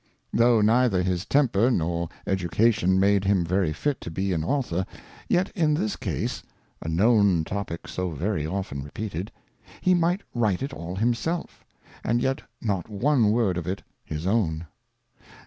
191 neither his Temper nor Education made him very fit to be an Author, yet in this case, (a l^nown Topick so very often re peated) he might write it all himself, and yet not one word of it his own.